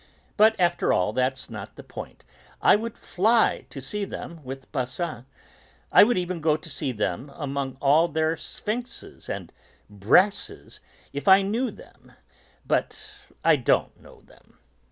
But, after all, that's not the point, I would fly to see them, with Basin; I would even go to see them among all their sphinxes and brasses, if I knew them, but I don't know them!